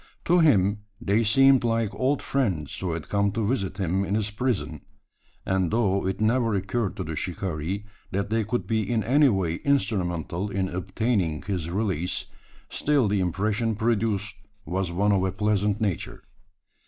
To him they seemed like old friends who had come to visit him in his prison; and though it never occurred to the shikaree, that they could be in any way instrumental in obtaining his release, still the impression produced was one of a pleasant nature.